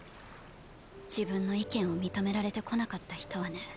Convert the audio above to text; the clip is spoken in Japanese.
自分の意見を認められてこなかった人はね